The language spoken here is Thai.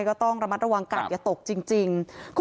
ก็ต้องระมัดระวังกัดอย่าตกจริง